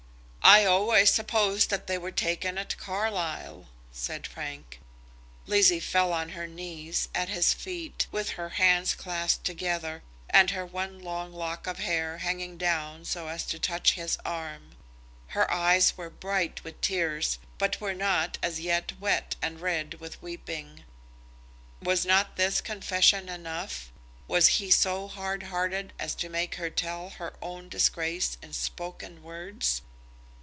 "I always supposed that they were taken at Carlisle," said Frank. Lizzie fell on her knees, at his feet, with her hands clasped together, and her one long lock of hair hanging down so as to touch his arm. Her eyes were bright with tears, but were not, as yet, wet and red with weeping. Was not this confession enough? Was he so hard hearted as to make her tell her own disgrace in spoken words?